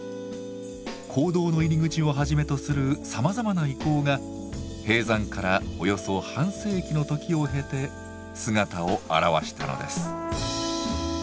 坑道の入り口をはじめとするさまざまな遺構が閉山からおよそ半世紀の時を経て姿を現したのです。